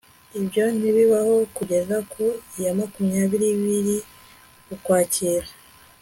Ibyo ntibibaho kugeza ku ya makumya biri Ukwakira